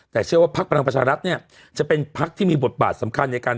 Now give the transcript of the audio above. แต่เชื่อว่าพักพลังประชารัฐเนี่ยจะเป็นพักที่มีบทบาทสำคัญในการ